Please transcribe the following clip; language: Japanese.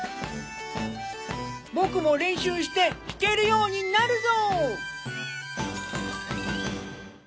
僕も練習して弾けるようになるぞ！